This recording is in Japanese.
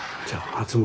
初物。